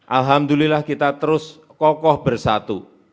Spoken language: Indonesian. alhamdulillah kita terus kokoh bersatu